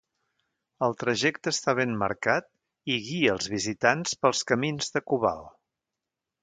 El trajecte està ben marcat, i guia els visitants pels camins de Cobalt.